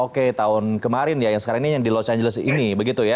oke tahun kemarin ya yang sekarang ini yang di los angeles ini begitu ya